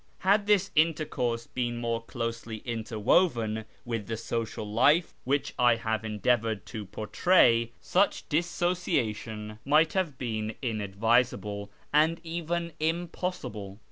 Had this intercourse been more closely interwoven with the social life which I have endeavoured to pourtray in the preceding chapter, such dissociation might have been inadvisable, and even impossible.